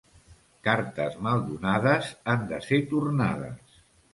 Cartes mal donades han de ser tornades.